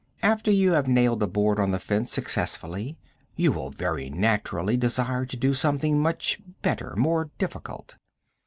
After you have nailed a board on the fence successfully, you will very naturally desire to do something much better, more difficult.